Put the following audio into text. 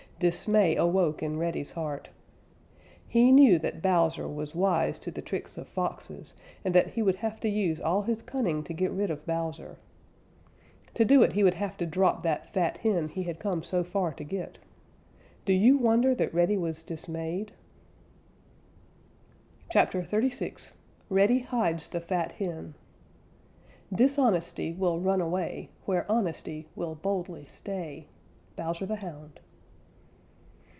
Dismay awoke in Reddy's heart. He knew that Bowser was wise to the tricks of Foxes, and that he would have to use all his cunning to get rid of Bowser. To do it he would have to drop that fat hen he had come so far to get. Do you wonder that Reddy was dismayed? CHAPTER XXXVI REDDY HIDES THE FAT HEN Dishonesty will run away Where Honesty will boldly stay. _Bowser the Hound.